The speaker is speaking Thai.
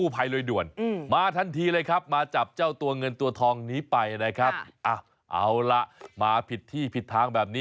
พอเจ้าของร้านเขาเห็นแบบนี้แล้ว